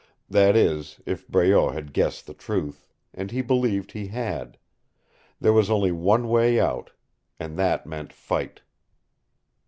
That is, if Breault had guessed the truth, and he believed he had. There was only one way out and that meant fight.